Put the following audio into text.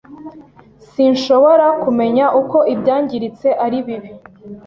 Sinshobora kumenya uko ibyangiritse ari bibi.